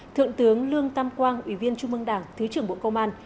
thượng tướng lương tam quang ủy viên trung mương đảng thứ trưởng bộ công an